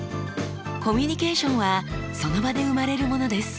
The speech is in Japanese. コミュニケーションはその場で生まれるものです。